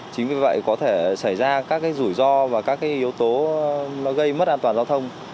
chính vì vậy có thể xảy ra các rủi ro và các yếu tố gây mất an toàn giao thông